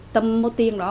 tâm mô tiên đó